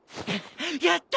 やった！